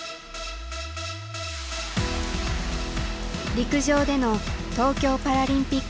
陸上での東京パラリンピック挑戦。